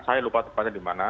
saya lupa tempatnya dimana